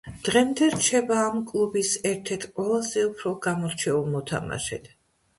დღემდე რჩება ამ კლუბის ერთ-ერთ ყველაზე უფრო გამორჩეულ მოთამაშედ.